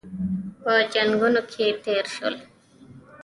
په جنګونو کې تېر شول.